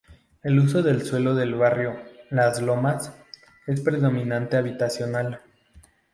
El uso del suelo del barrio Las Lomas es predominante habitacional.